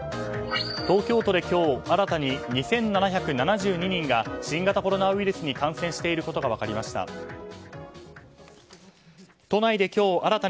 東京都で今日新たに２７７２人が新型コロナウイルスに感染していることが分かりました。